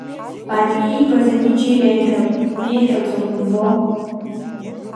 Ари иибаз ани џьеи иеиҳәап, иеиҳәаӡом умбо.